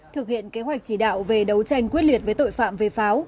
thực hiện kế hoạch chỉ đạo về đấu tranh quyết liệt với tội phạm về pháo